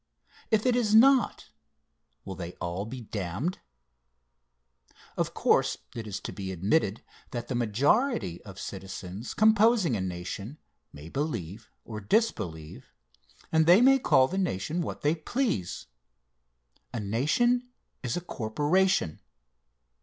If it is not, will they all be damned? Of course it is admitted that the majority of citizens composing a nation may believe or disbelieve, and they may call the nation what they please. A nation is a corporation.